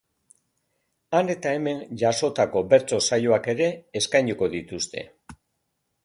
Han eta hemen jasotako bertso saioak ere eskainiko dituzte.